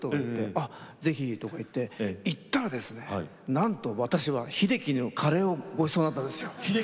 「あ、ぜひ」とか行って行ったら、なんと私は秀樹のカレーをごちそうになったんですよ。